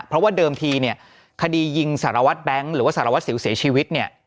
เพราะว่าเดิมทีคดียิงสารวัตรแบงค์หรือว่าสารวัตรศิลป์เสียชีวิต